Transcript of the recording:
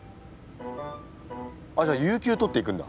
じゃあ有給取って行くんだ。